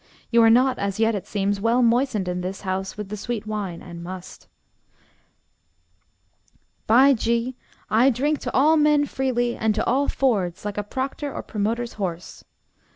You are not as yet, it seems, well moistened in this house with the sweet wine and must. By G , I drink to all men freely, and at all fords, like a proctor or promoter's horse.